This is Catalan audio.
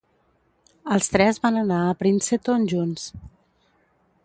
Els tres van anar a Princeton junts.